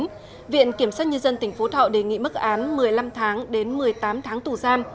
tuy nhiên viện kiểm soát nhân dân tỉnh phú thọ đề nghị mức án một mươi năm tháng đến một mươi tám tháng tù giam